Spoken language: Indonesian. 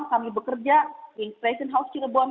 kami bekerja di inspiration house cilebon